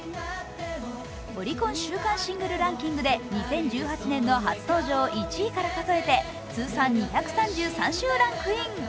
オリコン週間シングルランキングで２０１８年の初登場１位から数えて通算２３３週ランクイン。